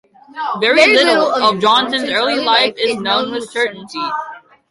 Very little of Johnson's early life is known with certainty.